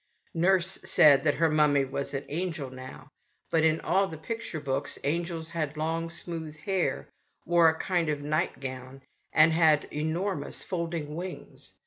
Nurse said that her mummy was an angel now; but in all the picture books angels had long, smooth hair, wore a kind of night gown, and had enormous, folding wings.